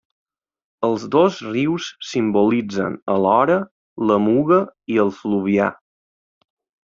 Els dos rius simbolitzen, alhora, la Muga i el Fluvià.